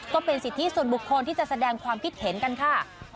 ก็เป็นสิทธิส่วนบุคคลที่จะแสดงความคิดเห็นกันค่ะ